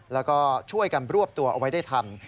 แล้วก็ช่วยกันรวบตัวเอาไว้ได้ทัน